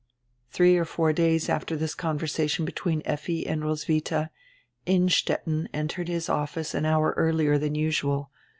Three or four days after this conversation between Effi and Roswitha, Innstetten entered his office an hour earlier than usual.